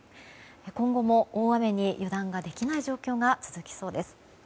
今後も大雨に油断ができない状況が続きそうです。